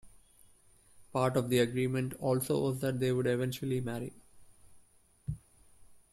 Part of the agreement also was that they would eventually marry.